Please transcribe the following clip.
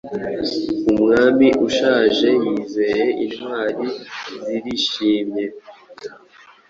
Umwami ushaje yizeye Intwari zirishimye